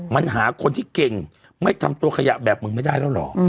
มันหาคนที่เก่งไม่ทำตัวขยะแบบมึงไม่ได้แล้วเหรอ